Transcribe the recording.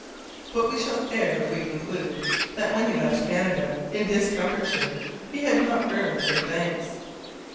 But we shall err if we conclude that when he left Canada in discomfiture he had not earned her thanks.